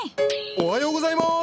おはようございます！